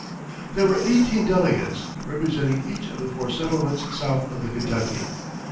There were eighteen delegates, representing each of the four settlements south of the Kentucky.